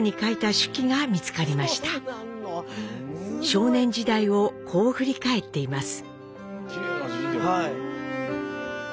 少年時代をこう振り返っています。